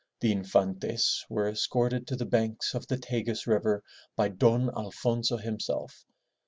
The Infantes were escorted to the banks of the Tagus River by Don Alfonso himself.